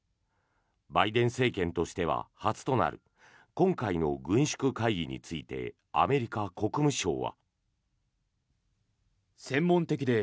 バイデン政権としては初となる今回の軍縮会議についてアメリカ国務省は。